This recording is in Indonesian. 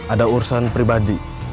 ada urusan pribadi